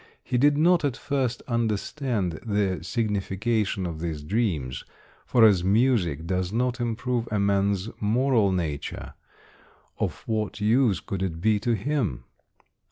He did not at first understand the signification of these dreams; for, as music does not improve a man's moral nature, of what use could it be to him?